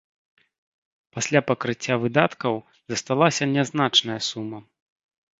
Пасля пакрыцця выдаткаў засталася нязначная сума.